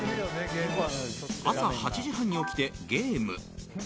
朝８時半に起きてゲーム。